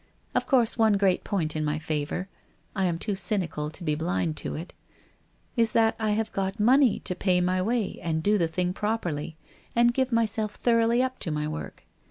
Of course one great point in my favour — I am too cynical to be blind to it — is that I have got money to pay my way and do the thing properly and give myself thoroughly up to my work.